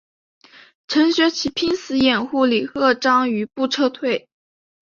程学启拼死掩护李鹤章余部撤退。